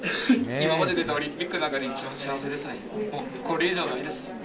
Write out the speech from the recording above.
今まで出たオリンピックの中で一番幸せですね。